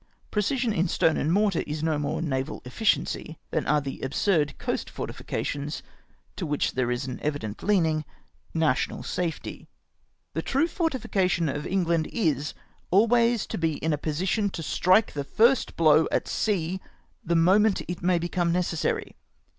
Precision in stone and mortar is no more naval effi ciency, than are the absurd coast fortifications (to which there is an e\ddent leaning) national safety. The true fortification of England is, always to be in a position to strike the first blow at sea the moment it may become necessary.